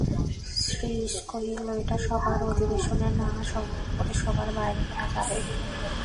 শ্রীশ কহিল, সেটা সভার অধিবেশনে না করে সভার বাইরে করা যাবে।